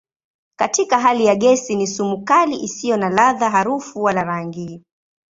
Katika hali ya gesi ni sumu kali isiyo na ladha, harufu wala rangi.